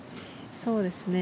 そうですね。